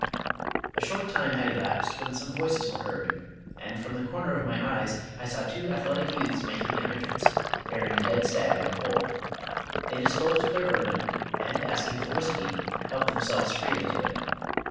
A short time had elapsed, when some voices were heard; and from the corner of my eyes I saw two athletic youths making their entrance, bearing a dead stag on a pole. They disposed of their burden, and asking for whisky, helped themselves freely to it.